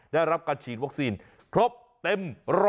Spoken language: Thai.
ได้รับการฉีดวัคซีนครบเต็ม๑๐๐